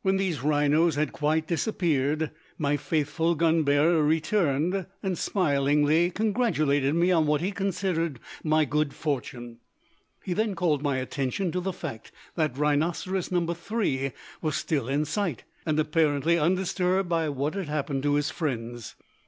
When these rhinos had quite disappeared, my faithful gun bearer returned, and smilingly congratulated me on what he considered my good fortune. He then called my attention to the fact that rhinoceros number three was still in sight, and apparently undisturbed by what had happened to his friends.